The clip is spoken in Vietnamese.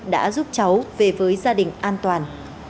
đã giúp cháu về với gia đình an toàn